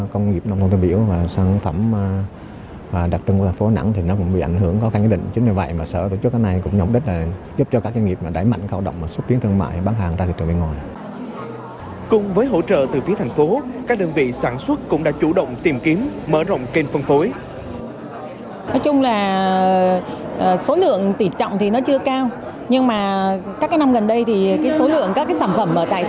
cùng với hỗ trợ từ phía thành phố các đơn vị sản xuất cũng đã chủ động tìm kiếm mở rộng kênh phân phối